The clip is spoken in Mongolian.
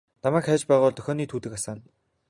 Намайг хайж байгаа бол дохионы түүдэг асаана.